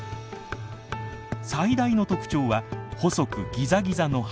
最大の特徴は細くギザギザの刃。